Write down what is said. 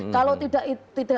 kalau tidak itu